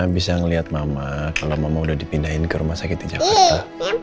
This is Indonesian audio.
bisa melihat mama kalau mama udah dipindahin ke rumah sakit di jakarta